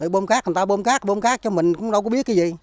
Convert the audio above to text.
bơm cắt người ta bơm cắt bơm cắt cho mình cũng đâu có biết cái gì